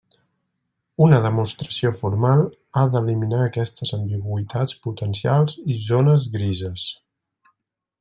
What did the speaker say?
Una demostració formal ha d'eliminar aquestes ambigüitats potencials i zones grises.